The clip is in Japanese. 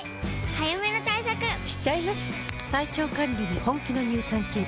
早めの対策しちゃいます。